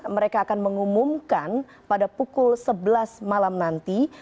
mereka akan mengumumkan pada pukul sebelas malam nanti